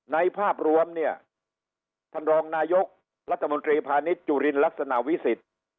ภาพรวมเนี่ยท่านรองนายกรัฐมนตรีพาณิชยจุลินลักษณะวิสิทธิ์